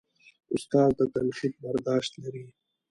استاد د تنقید برداشت لري.